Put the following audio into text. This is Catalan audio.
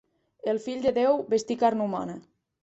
El fill de Déu vestí carn humana.